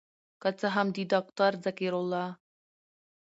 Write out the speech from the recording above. که څه هم د داکتر ذکر الله